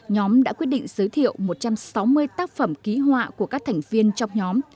nhóm đã quyết định giới thiệu một trăm sáu mươi tác phẩm ký họa của các thành viên trong nhóm